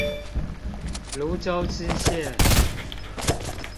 蘆洲支線